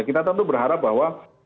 kita tentu berharap bahwa